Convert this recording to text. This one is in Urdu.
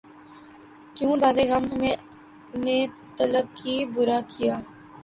کیوں دادِ غم ہمیں نے طلب کی، بُرا کیا